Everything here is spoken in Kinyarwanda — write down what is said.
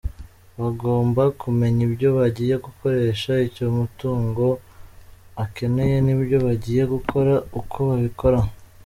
Bagomba kumenya ibyo bagiye gukoresha, icyo amatungo akeneye n’ibyo bagiye gukora uko babikora.